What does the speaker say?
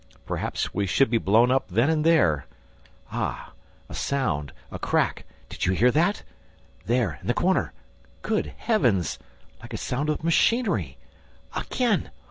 Perhaps we should be blown up then and there! Ah, a sound! A crack! "Did you hear that? ... There, in the corner ... good heavens! ... Like a sound of machinery! ... Again!